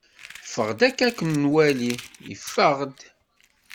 ffeɣ-d akka ad k-nwali! Yeffeɣ-d.